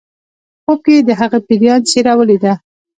په خوب کې یې د هغه پیریان څیره ولیده